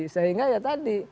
sehingga ya tadi